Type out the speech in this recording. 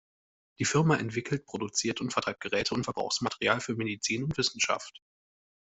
Die Firma entwickelt, produziert und vertreibt Geräte und Verbrauchsmaterial für Medizin und Wissenschaft.